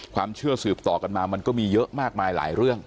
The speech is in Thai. เชื่อสืบต่อกันมามันก็มีเยอะมากมายหลายเรื่อง